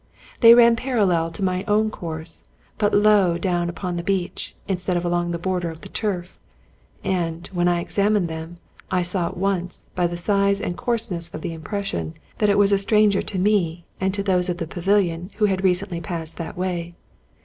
They ran parallel to my own course, but low down upon the beach, instead of along the border of the turf; and, when I examined them, I saw at once, by the size and coarseness of the impression, that it was a stranger to me and to those of the pavilion who had re cently passed that way.